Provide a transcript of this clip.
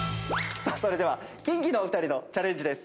それではキンキのお二人のチャレンジです。